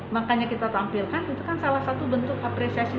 makanya kita tampilkan itu kan salah satu bentuk apresiasi